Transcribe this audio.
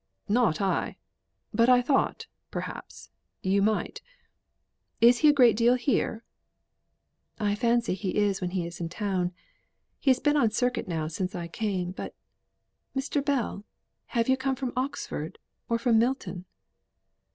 "Not I. But I thought perhaps you might. Is he a great deal here?" "I fancy he is when he is in town. He has been on circuit now since I came. But Mr. Bell have you come from Oxford or from Milton?"